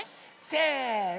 せの！